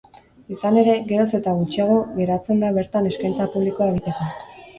Izan ere, geroz eta gutxiago geratzen da bertan eskaintza publikoa egiteko.